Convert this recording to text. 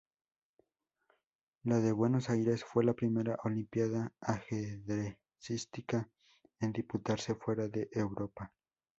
La de Buenos Aires fue la primera olimpíada ajedrecística en disputarse fuera de Europa.